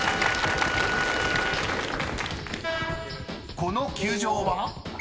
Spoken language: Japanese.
［この球場は？］